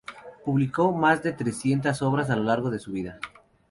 Publicó más de trescientas obras a lo largo de su vida.